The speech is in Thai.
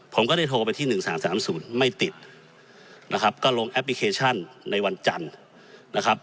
ผมก็ได้โทรไปที่หนึ่งสามสามศูนย์ไม่ติดนะครับก็ลงแอปพลิเคชันในวันจันทร์นะครับ